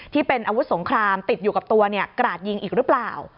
ที่เป็นอาวุธสงครามติดอยู่กับตัวกราดยิงอีกหรือเปล่า